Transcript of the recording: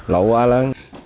lỗ quá lớn